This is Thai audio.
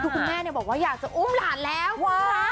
คุณแม่เนี่ยบอกว่าอยากจะอุ้มหลานแล้ว